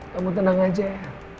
kamu tenang aja ya